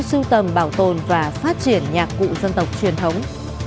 sưu tầm bảo tồn và phát triển nhạc cụ dân tộc truyền thống